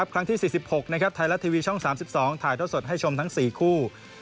ครั้งที่๔๖ไทยรัฐทีวีช่อง๓๒ถ่ายเท่าสดให้ชมทั้ง๔คู่